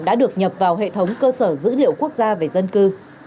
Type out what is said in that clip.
đã được nhập vào hệ thống cơ sở dữ liệu quốc gia về dân cư